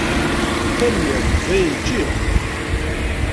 Tanemmirt, dayen ččiɣ.